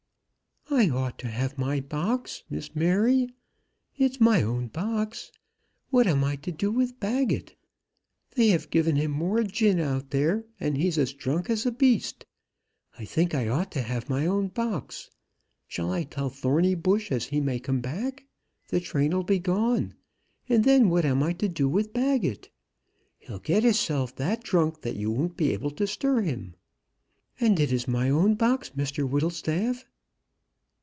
"I ought to have my box, Miss Mary. It's my own box. What am I to do with Baggett? They have given him more gin out there, and he's as drunk as a beast. I think I ought to have my own box. Shall I tell Thornybush as he may come back? The train'll be gone, and then what am I to do with Baggett? He'll get hisself that drunk, you won't be able to stir him. And it is my own box, Mr Whittlestaff?"